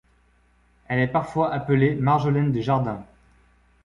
Elle est parfois appelée Marjolaine des jardins.